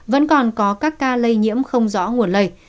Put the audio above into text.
vẫn còn có các ca lây nhiễm không rõ nguồn lây